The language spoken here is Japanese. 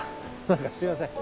何かすいません。